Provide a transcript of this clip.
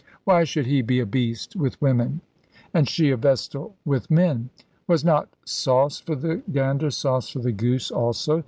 Why should he be a beast with women, and she a vestal with men? Was not sauce for the gander sauce for the goose also?